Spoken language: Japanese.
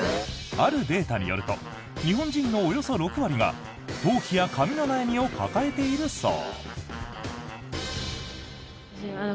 あるデータによると日本人のおよそ６割が頭皮や髪の悩みを抱えているそう。